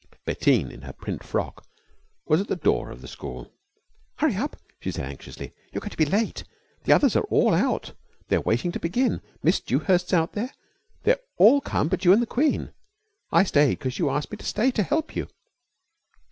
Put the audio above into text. Bettine in her print frock was at the door of the school. "Hurry up!" she said anxiously. "You're going to be late. The others are all out. They're waiting to begin. Miss Dewhurst's out there. They're all come but you an' the Queen. I stayed 'cause you asked me to stay to help you."